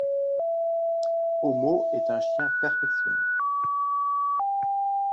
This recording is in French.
Homo est un chien perfectionné.